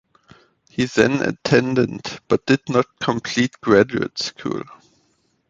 He then attended but did not complete graduate school.